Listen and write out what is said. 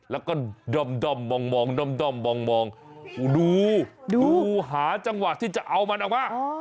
แล้วก็ด้อมมองด้อมมองดูดูหาจังหวะที่จะเอามันออกมา